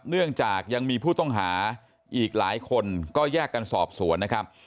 เนื่องจากยังมีผู้ต้องหาอีกหลายคนก็แยกกันสอบสวนนะครับ